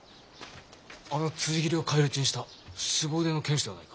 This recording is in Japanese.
あの辻斬りを返り討ちにしたすご腕の剣士ではないか。